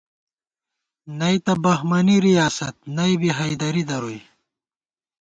نئ تہ بہمَنی ریاست ، نئ بی حیدَری درُوئی